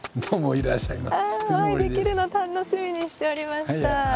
お会いできるの楽しみにしておりました。